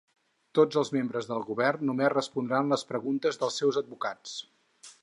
Tots els membres del govern només respondran les preguntes dels seus advocats.